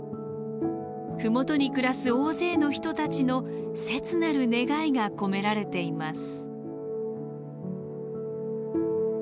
麓に暮らす大勢の人たちの切なる願いが込められています。